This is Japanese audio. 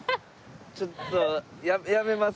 ちょっと。